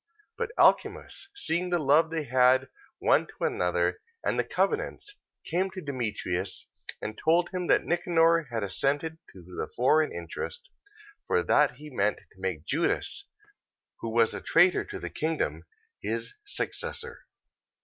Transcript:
14:26. But Alcimus seeing the love they had one to another, and the covenants, came to Demetrius, and told him that Nicanor had assented to the foreign interest, for that he meant to make Judas, who was a traitor to the kingdom, his successor.